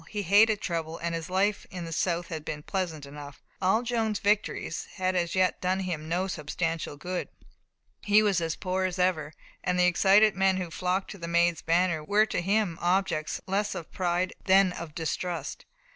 He hated trouble, and his life in the south had been pleasant enough. All Joan's victories had as yet done him no substantial good. He was as poor as ever, and the excited men who flocked to the Maid's banner were to him objects less of pride than of distrust.